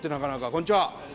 こんにちは。